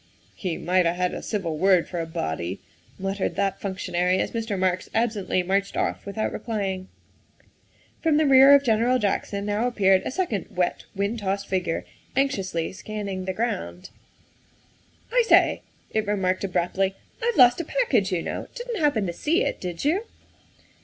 " He might 'a' had a civil word for a body," muttered that functionary as Mr. Marks absently marched off without replying. From the rear of General Jackson now appeared a second wet, wind tossed figure, anxiously scanning the ground. 6 82 THE WIFE OF '' I say, '' it remarked abruptly, " I 've lost a package, you know. Didn 't happen to see it, did you